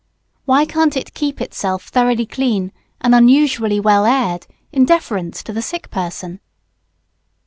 Why can't it keep itself thoroughly clean and unusually well aired, in deference to the sick person? [Sidenote: Infection.